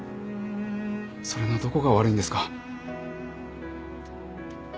それのどこが悪いんですか？